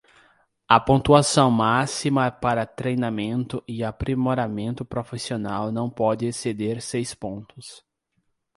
A pontuação máxima para treinamento e aprimoramento profissional não pode exceder seis pontos.